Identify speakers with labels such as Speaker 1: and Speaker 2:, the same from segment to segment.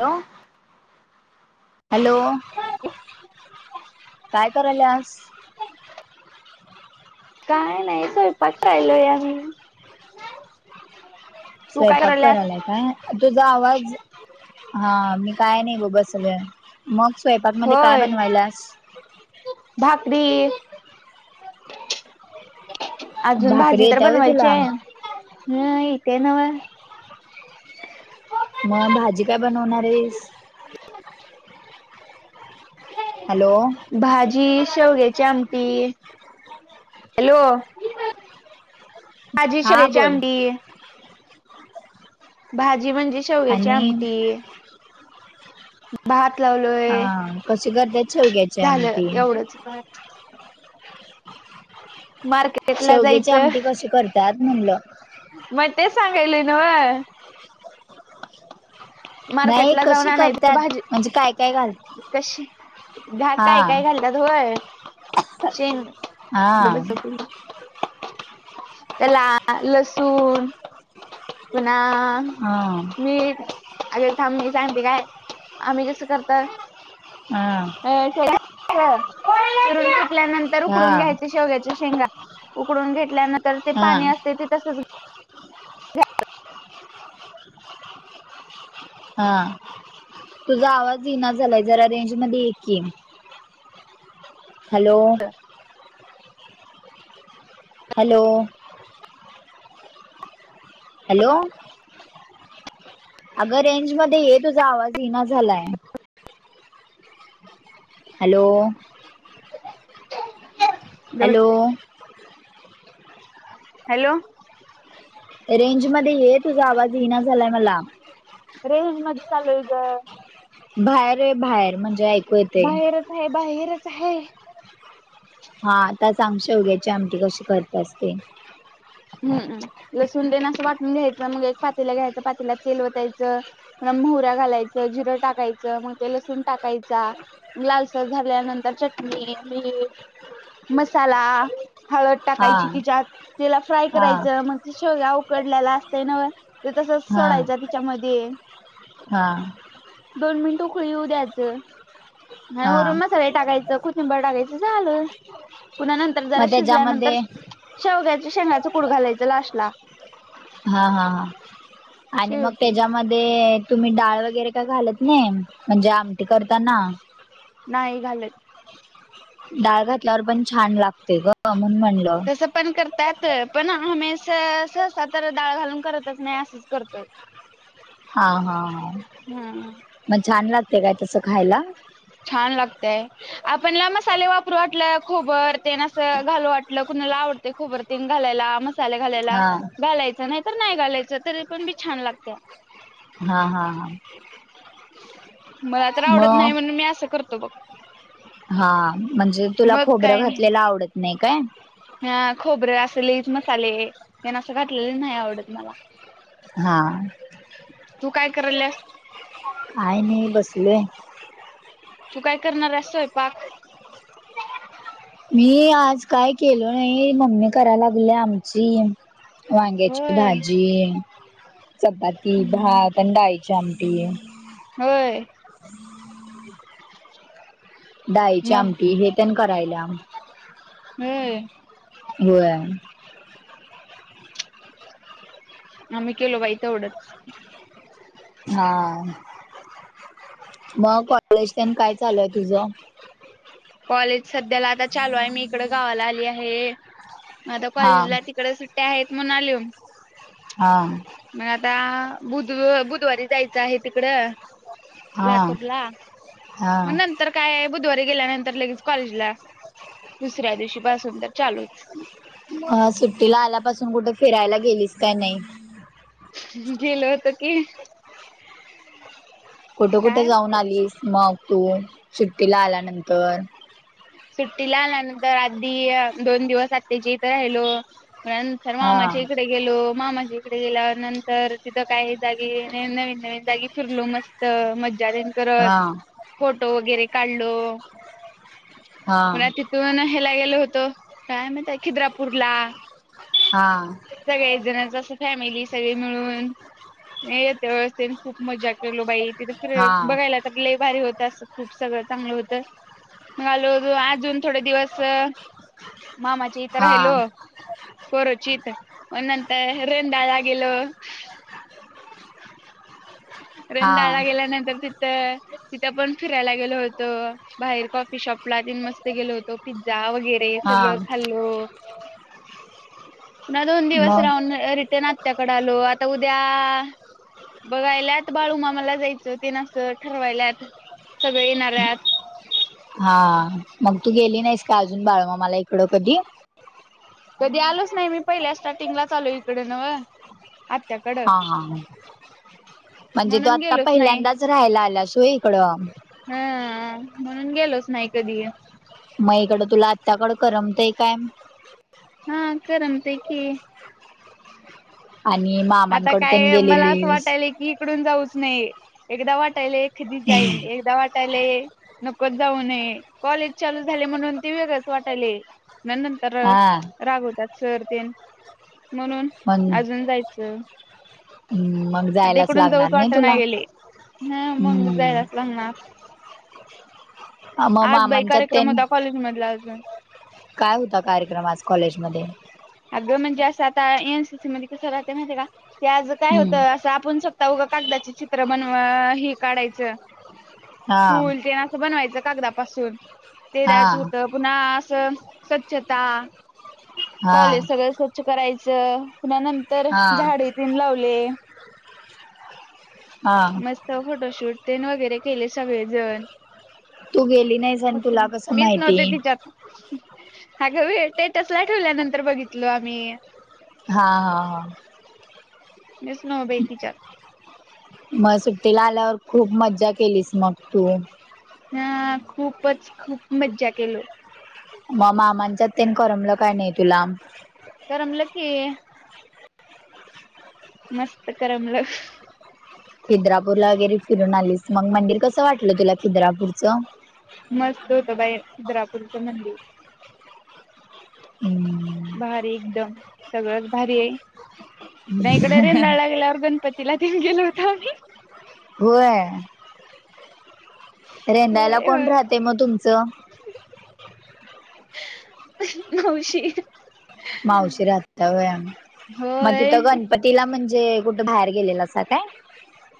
Speaker 1: यो hello काय करायल्यास?
Speaker 2: काय नाही स्वयंपाक करालोय आम्ही. तू काय
Speaker 1: स्वयंपाक
Speaker 2: करायल्यास?
Speaker 1: करायला काय? तुझा आवाज हा मी काय नाही बो बसलोय. मग स्वयंपाक मध्ये काय
Speaker 2: होय
Speaker 1: बनवयलास?
Speaker 2: भाकरी अजून
Speaker 1: भाकरी
Speaker 2: भाजी तर
Speaker 1: येत्या व्हय
Speaker 2: बनवायची
Speaker 1: तुला
Speaker 2: आहे नाही ते नवं
Speaker 1: म भाजी काय बनवणार आहेस? हॅलो.
Speaker 2: भाजी शेवग्याची आमटी. हॅलो बाजी
Speaker 1: हा
Speaker 2: शिऱ्याची
Speaker 1: बोल
Speaker 2: आमटी भाजी म्हणजे शेव्याची
Speaker 1: आणि
Speaker 2: आमटी बहात लाव
Speaker 1: हा करत्यात शेवग्या
Speaker 2: झालं एवढंच. मारके.
Speaker 1: शेवग्याचे आमटी कशी करत्यात म्हणलं?
Speaker 2: मय ते सांगायली न व्हय.
Speaker 1: नाही कशी करतात
Speaker 2: भाजी
Speaker 1: म्हणजे काय काय घालत
Speaker 2: कशी गा काय काय काय घालतात होय. चीन गबे
Speaker 1: हा
Speaker 2: सपेल न त्याला लसुण पुन्हा
Speaker 1: हा
Speaker 2: मीठ. अगं थांब मी सांगते काय आम्ही जसं करताय
Speaker 1: आ
Speaker 2: शेव शिरून सुकल्यानंतर उकडून
Speaker 1: हा
Speaker 2: घ्यायचे शेवग्याच्या शेंगा. उकडून घेतल्यानंतर ते
Speaker 1: हा
Speaker 2: पाणी असते ते तसच
Speaker 1: हा तुझा आवाज धीना झालाय जरा रेंज मध्ये ये की. हॅलो.
Speaker 2: [unintelligible]
Speaker 1: हॅलो. हॅलो. अगं रेंजमध्ये ये तुझा आवाज येईना झालाय हॅलो. हॅलो.
Speaker 2: हॅलो.
Speaker 1: रेंज मध्ये ये तुझा आवाज ईना झालाय मला.
Speaker 2: रेंजमध्येच आलोय ग.
Speaker 1: बाहेर ये बाहेर म्हणजे ऐक
Speaker 2: बाहेरच आहे बाहेरच आहे.
Speaker 1: हा आताच सांगश्या उग्याची आमटी कशी करत्यास ते.
Speaker 2: हम्म लसून देन असं वाटून घ्यायचं मग एक पातीला घ्यायचं पातीलात तेलवतायचं. म मोहऱ्या घालायचं जिरं टाकायचं मग ते लसूण टाकायचा. लालसर झाल्यानंतर चटणी मीठ मसाला हळद
Speaker 1: हा
Speaker 2: टाकायची तिच्यात त्याला फ्राय
Speaker 1: हा
Speaker 2: करायचं मग ते शेव्या उकडलेला असतय न व ते तस
Speaker 1: हा
Speaker 2: सोडायचं त्याच्यामध्ये.
Speaker 1: हा
Speaker 2: दोन मिनिट उकळी येऊ द्यायचं आणि
Speaker 1: हा
Speaker 2: वरून मसाले टाकायचं खु बडाकाायचं झालं पुन्हा नंतर जरा
Speaker 1: मग
Speaker 2: शिजल्यानंतर.
Speaker 1: त्याच्यामध्ये
Speaker 2: शेवग्याच्या शेंगाच कुट घालायचं लास्टला.
Speaker 1: हा हा हा आणि मग
Speaker 2: शेवटी
Speaker 1: तेज्या मध्ये तुम्ही डाळ वगैरे काय घालत नाही म्हणजे आमटी करताना.
Speaker 2: नाही घालत.
Speaker 1: डाळ घातल्यावर पण छान लागते ग म्हणून म्हण
Speaker 2: तसं. पण करतात पण आम्ही असं सहज तर डाळ घालून करतच नाही असंच करतोय.
Speaker 1: हा हा हा
Speaker 2: हम्म
Speaker 1: मग छान लागते काय तस खायला.
Speaker 2: छान लागतय. आपणला मसाले वापरू वाटलं खोबर ते नास घालव वाटलं कुणाला आवड ते खोबरतीन घालायला म साल्या घालायला
Speaker 1: हा
Speaker 2: घालायच नाही तर नाही घालायचं तरी पण बी छान लागते.
Speaker 1: हा हा हा.
Speaker 2: मला तर आवडत
Speaker 1: मग
Speaker 2: नाही म्हणून मी असं करतो बघ.
Speaker 1: हा म्हणजे तुला
Speaker 2: मग
Speaker 1: खोबरं घातलेला आवडत नाही काय?
Speaker 2: ह खोबरे असे लयीच मसाले तेन असं घातलेले नाही आवडत मला.
Speaker 1: हा.
Speaker 2: तू काय करायल्यास?
Speaker 1: काय नाही बसले.
Speaker 2: तू काय करणार आहेस स्वयंपाक?
Speaker 1: मी आज काय केलो नाही, मम्मी करायला लागल्या आमची. वांग्याची
Speaker 2: होय
Speaker 1: भाजी, चपाती,
Speaker 2: हम्म
Speaker 1: भात आणि डाळीच्या आम ते
Speaker 2: होय?
Speaker 1: डाळिची
Speaker 2: मग
Speaker 1: आमटी हे तेन करायल्या.
Speaker 2: हम्म..
Speaker 1: होय.
Speaker 2: आम्ही केलो बाई तेवढंच.
Speaker 1: हा मग कॉलेज तेन काय चालू हाय तुझं?
Speaker 2: कॉलेज सध्याला आता चालू आहे. मी इकडं गावाला आली आहे, मग आता
Speaker 1: हा
Speaker 2: कॉलेजला तिकडं सु त्या आहेत म्हणून आलुय.
Speaker 1: हा.
Speaker 2: मग आता बुध-बुधवारी जायचं आहे तिकडं.
Speaker 1: हा
Speaker 2: लातूरला मग नं तर काय बुधवारी गेल्यानंतर लगेच कॉलेजला, दुसऱ्या दिवशीपासून तर चालूच.
Speaker 1: अ सुट्टीला आल्यापासून कुठे फिरायला गेलीस काय नाही?
Speaker 2: गेलो होतो की.
Speaker 1: कुठं कुठं
Speaker 2: काय
Speaker 1: जाऊन
Speaker 2: म्हणतात
Speaker 1: आलीस मग तू सुट्टीला आल्यानंतर?
Speaker 2: सुट्टीला आल्यानंतर आधी दोन दिवस आत्याच्या इथं राहिलो. त्यानंतर
Speaker 1: हा
Speaker 2: मामाच्या इकडे गेलो मामांच्या इकडे गेल्यानंतर तिथं काही जागी नवीन नवीन नवीन जागी फिरलो. मस् मज्जा तेन करत
Speaker 1: हा
Speaker 2: फोटो वगैरे काढलो.
Speaker 1: हा
Speaker 2: पुन्हा तिथून ह्याला गेलो होतो, काय म्हणतंय खिद्रापूरला.
Speaker 1: हा.
Speaker 2: सगळेजणच असं फॅमिली सगळी मिळून मग येत्या वेळेस ते खूप मज्जा केलो बाई. तिथं
Speaker 1: हा
Speaker 2: बघायला तर लई भारी होतं असं खूप सगळं चांगलं होतं. मग आलो अजून थोडे दिवस मामाच्या इथं
Speaker 1: हा
Speaker 2: राहिलो. कोरोचीत मग नंतर रेंदाळ ला गेलो.
Speaker 1: हा
Speaker 2: रेंदाळला गेल्यानंतर तिथं तिथं पण फिरायला गेलो होतो. बाहेर कॉफी शॉपला तेन मस्त गेलो होतो. पिझ्झा वगैरे ते
Speaker 1: हा
Speaker 2: सगळं खाल्लो. ना दोन दिवस
Speaker 1: मग
Speaker 2: राहून रिटर्न आत्याकडे आलो. आता उद्या बघायल्यात बाळूमामाला जायचं तेन असं ठरवायल्यात. सगळे येणार आहेत.
Speaker 1: हा मग तू गेली नाहीस का अजून बाळूमामाला इकडं कधी?
Speaker 2: कधी आलोच नाही मी पहिल्या स्टार्टिंगलाच आलो इकडं नव्हं.
Speaker 1: हा हा. म्हणजे तु
Speaker 2: म्हणून
Speaker 1: आता
Speaker 2: गेलोच नाही
Speaker 1: पहिल्यांदाच राहायला आल्यास होय इकडं?
Speaker 2: हा म्हणून गेलोच नाही कधी.
Speaker 1: मग इकडं तुला आत्ताकडं करमतय काय?
Speaker 2: हम्म करमतय की.
Speaker 1: आणि मा
Speaker 2: आता काय मला असं वाटायल की इकडून जाऊच नये. एकदा वाटायले कधी जाईन. एकदा वाट [unintelligible] नकोच जाऊ म्हणे. कॉलेज चालू झाले म्हणून ते वेगळच वाटायले‌. न नंतर
Speaker 1: हा
Speaker 2: रागवतात सरतेन म्हणून अजून जायचं.
Speaker 1: हम्म मग
Speaker 2: आता
Speaker 1: जायलाच
Speaker 2: इकडून जाऊच
Speaker 1: लागणार नाही तुला
Speaker 2: वाटना
Speaker 1: हम्म.
Speaker 2: लग्नात.
Speaker 1: मग
Speaker 2: आज बाई
Speaker 1: मामांच्यात
Speaker 2: कार्यक्रम
Speaker 1: त्यांनी
Speaker 2: होता कॉलेजमधला अजून.
Speaker 1: काय होता कार्यक्रम आज कॉलेजमध्ये?
Speaker 2: अगं म्हणजे असं आता एनसीसी मध्ये कसं राहत माहिती का ते आज काय
Speaker 1: हम्म
Speaker 2: होतं असं आपण स्वतः उगं कागदाचे चित्र बनवा हे काढायचं
Speaker 1: हा
Speaker 2: फूल तेन अस बनवायचं कागदापासून तेन
Speaker 1: हा
Speaker 2: असं होतं पुन्हा असं स्वच्छता
Speaker 1: हा
Speaker 2: कॉलेज सगळं स्वच्छ करायचं, पुन्हा नंतर
Speaker 1: हा
Speaker 2: झाडे तेन लावले.
Speaker 1: हा
Speaker 2: मस्त फोटोशूट तेन वगैरे केले सगळेजण.
Speaker 1: तू गेली नाहीस आणि तुला कसं
Speaker 2: मीच
Speaker 1: माहिती
Speaker 2: नव्हते तिच्यात. अगं वेळते तसला ठेवल्यानंतर बघितल आम्ही.
Speaker 1: हा हा हा.
Speaker 2: मीस नव बाई ती चार.
Speaker 1: मग सुट्टीला आल्यावर खूप मज्जा केलीस मग तू.
Speaker 2: हा खूपच खूप मज्जा केलो.
Speaker 1: मग मामांच्या तेन करमलं काय नाही तुला?
Speaker 2: करमलं की. मस्त करामलं.
Speaker 1: खिद्रापूरला वगैरे फिरून आलीस मग मंदिर कसं वाटलं तुला खिद्रापूरचं.
Speaker 2: मस्त होत बाई खिद्रापूरचं मंदिर.
Speaker 1: हम्म.
Speaker 2: भारी एकदम सगळंच भारी आहे मग इकडे रेंदाळला गेल्यावर गणपत तिला ठेऊन गेलो होतो आम्ही.
Speaker 1: होय. रेंदायला कोण राहतय मग तुमचं.
Speaker 2: नऊशी.
Speaker 1: मावशी राहत्या व्हय मग
Speaker 2: होय
Speaker 1: तिथं गणपत तिला म्हणजे कुठे बाहेर गेलेलासा काय?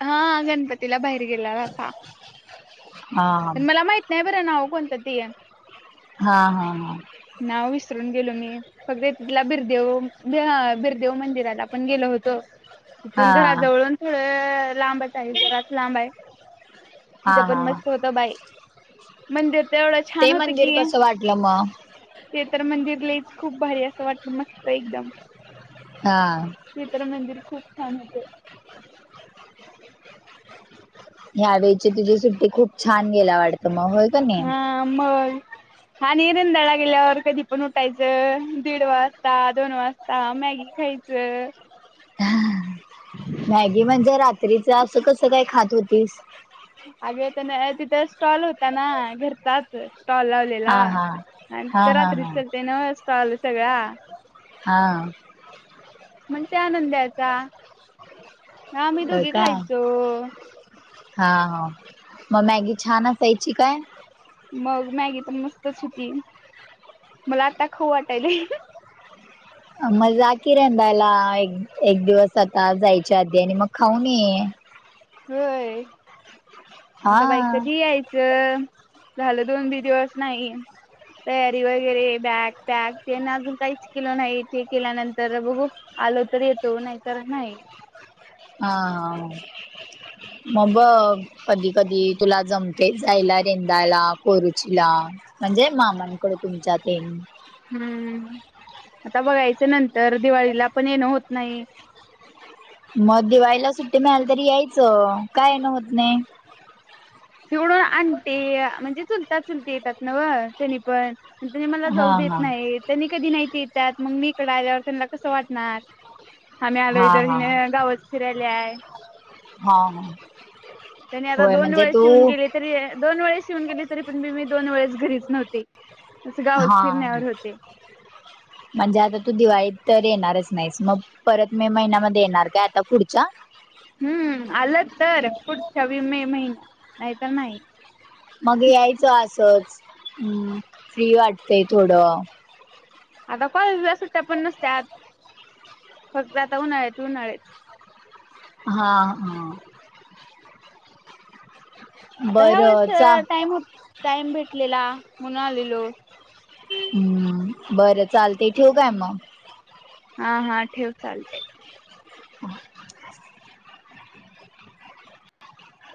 Speaker 2: हा गणपतीला बाहेर गेला असा.
Speaker 1: हा
Speaker 2: पण मला माहित नाही बरं नाव कोणतं ती.
Speaker 1: हा हा हा.
Speaker 2: नाव विसरून गेलो मी. फक्त तिथला बिरदेव हा बिरदेव मंदिराला पण गेलो होतो. तिथून
Speaker 1: हा
Speaker 2: घराजवळून थोडं लांबच आहे. जराच लांब आहे.
Speaker 1: हा
Speaker 2: तिथं पण
Speaker 1: हा
Speaker 2: मस्त होत बाय मंदिर. तर एवढं
Speaker 1: ते
Speaker 2: छान होतं
Speaker 1: मंदिर
Speaker 2: की
Speaker 1: कसं वाटलं म.
Speaker 2: ते तर मंदिर लईच खूप भारी असं वाटलं मस्त एकदम.
Speaker 1: हा.
Speaker 2: चित्र मंदिर खूप छान होत.
Speaker 1: ह्यावेेळची तुझी सुट्टी खूप छान गेल्या वाटत मग होय का नाही?
Speaker 2: हा मग. आणि रुंदाळला गेल्यावर कधी पण उठायचं. दीड वाजता, दोन वाजत हा मॅगी खायचं.
Speaker 1: मॅगी म्हणजे रात्रीच असं कसं काय खात होतीस.
Speaker 2: अग तेन तिथ स्टॉल होता ना घर चहाच स्टॉल लावलेला
Speaker 1: हा हा
Speaker 2: आणि
Speaker 1: हा
Speaker 2: तर
Speaker 1: हा
Speaker 2: रात्री
Speaker 1: हा
Speaker 2: चालते नव्हं स्टॉल सगळा.
Speaker 1: हां.
Speaker 2: मग त्या आनंद द्यायचा आम्ही दोघी खायचो.
Speaker 1: हां हां मग मॅगी छान असायची काय.
Speaker 2: मग मॅगी तर मस्तच होती मला आता खूऊ वाटायलय.
Speaker 1: मग जा की रेंदाळला एक एक दिवस आता जायच्या आधी आणि मग खाऊन ये.
Speaker 2: होय
Speaker 1: हा
Speaker 2: आता बाई कधी यायच च झालं दोन बी दिवस नाही. तयारी वगैरे बॅग पॅग तेन अजून काहीच केलं नाही ते केल्यानंतर बघू. आलो तर येतो नाही तर नाही.
Speaker 1: हा मग बग. कधी कधी तुला जमतेय जायला रेंदाला कोरुचीला. म्हणजे मामांकड तुमच्यात ते.
Speaker 2: हम्म आता बघायचं नंतर दिवाळीला पण येणं होत नाही.
Speaker 1: मग दिवाळीला सुट्टी मिळाली तरी यायचं का येणं होत नाही.
Speaker 2: तेवडून आणते म्हणजे चुलता चुलते येतात नव त्यांनी पण. पण तुम्ही मला
Speaker 1: हा
Speaker 2: जाऊ देत
Speaker 1: हा
Speaker 2: नाही त्यांनी कधी नाहीती येतात मग मी इकड आल्यावर त्यांना कसं वाटणार. आम्ही आलो
Speaker 1: हा
Speaker 2: इधर
Speaker 1: हा
Speaker 2: हिने गावच फिरायला आहे.
Speaker 1: हा हा.
Speaker 2: त्यांनी आता
Speaker 1: होय
Speaker 2: दोन
Speaker 1: म्हणजे
Speaker 2: वेळे येऊन
Speaker 1: तू
Speaker 2: गेलीत तरी दोन वेळे येऊन गेलीत. तरी पण मी मी दोन वेळेस घरीच नव्हते नुसतं गावच
Speaker 1: हा
Speaker 2: फिरण्यावर होते.
Speaker 1: [inaudible] म्हणजे आता तू दिवाळी तर येणारच नाहीस मग परत मे महिन्यामध्ये येणार काय आता पुढच्या?
Speaker 2: हम्म आलं तर पुढच्या बी मे महिन्या नाही तर नाही.
Speaker 1: मग यायचं असच हम् फ्री वाटतेय थोडं.
Speaker 2: आता कॉलेजला सुट्ट्या पण नसत्यात फक्त आता उन्हाळ्यात उन्हाळी.
Speaker 1: हा.
Speaker 2: आता ह्या वेळेस
Speaker 1: बरं चा
Speaker 2: टाइम हो टाइम भेटलेला म्हणून आलेलो.
Speaker 1: हम्म बरं चालते ठेव काय मग?
Speaker 2: हा हा ठेव चालतय.
Speaker 1: ह. [unintelligible]